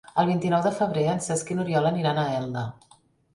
El vint-i-nou de febrer en Cesc i n'Oriol aniran a Elda.